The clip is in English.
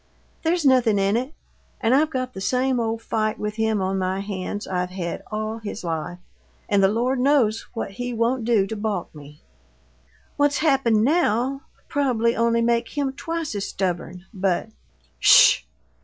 There's nothin' in it and I've got the same old fight with him on my hands I've had all his life and the Lord knows what he won't do to balk me! What's happened now'll probably only make him twice as stubborn, but " "SH!"